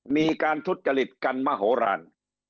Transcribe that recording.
มีการทุษฎกฤษกันมหราน